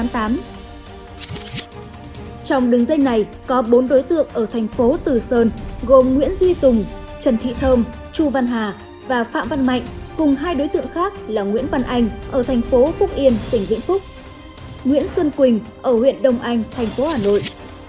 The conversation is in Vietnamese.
trong đường dây này có bốn đối tượng ở thành phố từ sơn gồm nguyễn duy tùng trần thị thơm chu văn hà và phạm văn mạnh cùng hai đối tượng khác là nguyễn văn anh ở thành phố phúc yên tỉnh vĩnh phúc nguyễn xuân quỳnh ở huyện đông anh thành phố hà nội